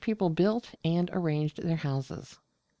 HOW THEY BUILT AND ARRANGED THEIR HOUSES.